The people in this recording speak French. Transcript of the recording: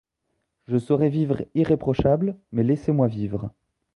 Je saurai vivre irréprochable ; mais laissez-moi vivre.